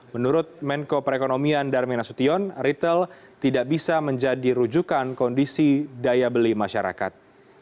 menurut menko perekonomian darmin nasution retail tidak bisa menjadi rujukan kondisi daya beli masyarakat